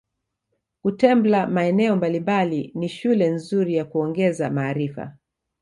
Kutembla maeneo mbalimbali ni shule nzuri ya kuongeza maarifa